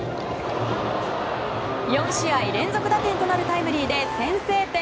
４試合連続打点となるタイムリーで先制点。